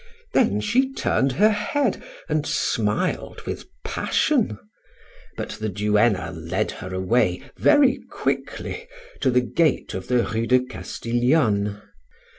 Then she turned her head and smiled with passion, but the duenna led her away very quickly to the gate of the Rue de Castiglione.